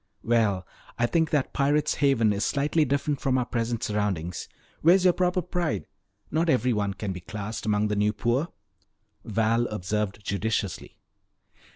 "Well, I think that Pirate's Haven is slightly different from our present surroundings. Where's your proper pride? Not everyone can be classed among the New Poor," Val observed judiciously.